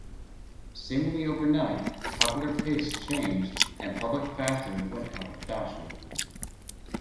Seemingly overnight, popular tastes changed and public fasting went out of fashion.